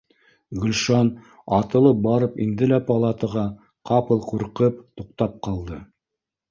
Гөлшан атылып барып инде лә палатаға, ҡапыл ҡурҡып, туҡтап ҡалды